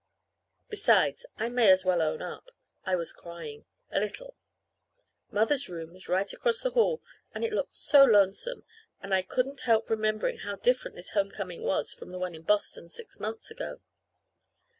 Besides, I may as well own up, I was crying a little. Mother's room was right across the hall, and it looked so lonesome; and I couldn't help remembering how different this homecoming was from the one in Boston, six months ago.